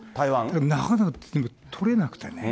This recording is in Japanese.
なかなか取れなくてね。